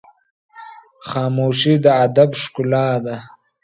خاموشي، د ادب ښکلا ده.